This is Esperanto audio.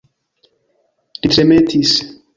Li tremetis.